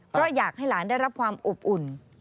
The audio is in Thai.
เพราะอยากให้หลานได้รับความอบอุ่น